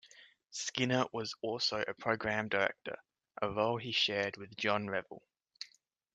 Skinner was also Programme Director, a role he shared with John Revell.